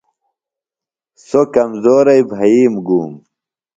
سوۡ کمزورئی بھئیم گُوم۔